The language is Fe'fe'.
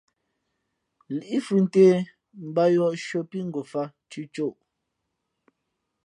Líʼ fhʉ̄ ntē mbāt yōh shʉ̄ᾱ pí ngofāt cʉ̄cǒ.